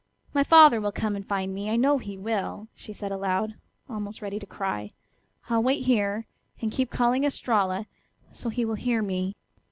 "My father will come and find me, I know he will," she said aloud, almost ready to cry. "I'll wait here, and keep calling 'Estralla,' so he will hear me."